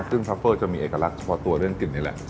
ซึ่งพาเฟอร์จะมีเอกลักษณ์เฉพาะตัวเรื่องกลิ่นนี่แหละ